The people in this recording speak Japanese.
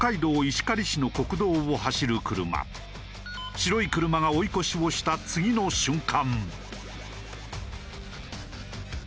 白い車が追い越しをした次の瞬間。